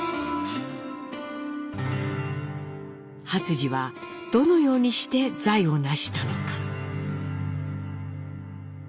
初次はどのようにして財をなしたのか。